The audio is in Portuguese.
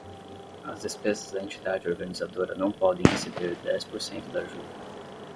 As despesas da entidade organizadora não podem exceder dez por cento da ajuda.